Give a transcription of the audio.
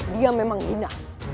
dia memang hina